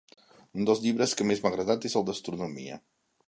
Un dels llibres que més m'ha agradat és el d'astronomia.